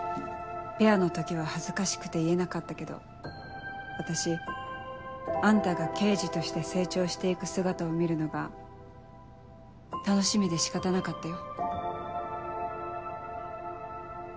ペアの時は恥ずかしくて言えなかったけど私あんたが刑事として成長して行く姿を見るのが楽しみで仕方なかったよ。